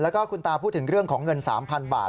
แล้วก็คุณตาพูดถึงเรื่องของเงิน๓๐๐๐บาท